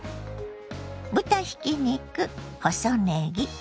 豚ひき肉細ねぎ